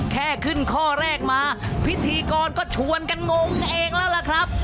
แค่ขึ้นข้อแรกมาพิธีกรก็ชวนกันงงเองแล้วล่ะครับ